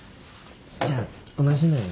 じゃあ同じのを。